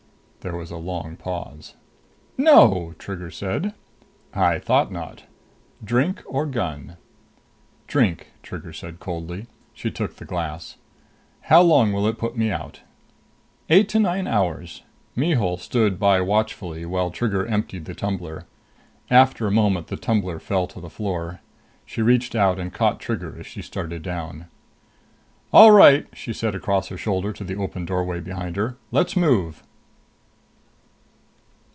There was a long pause. "No!" Trigger said. "I thought not. Drink or gun?" "Drink," Trigger said coldly. She took the glass. "How long will it put me out?" "Eight to nine hours." Mihul stood by watchfully while Trigger emptied the tumbler. After a moment the tumbler fell to the floor. She reached out and caught Trigger as she started down. "All right," she said across her shoulder to the open doorway behind her. "Let's move!"